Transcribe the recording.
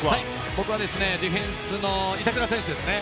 僕は、ディフェンスの板倉選手ですね。